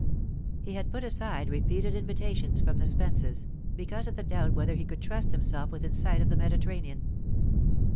He had put aside repeated invitations from the Spences, because of the doubt whether he could trust himself within sight of the Mediterranean.